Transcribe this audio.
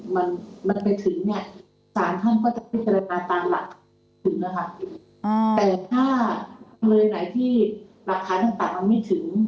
มันไปถึงศาลท่านก็จะพิจารณาตามหลักถึงแต่ถ้าคนไหนที่หลักฐานต่างมันไม่ถึง